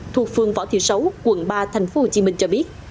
thuộc phương võ thị sấu quận ba thành phố hồ chí minh cho biết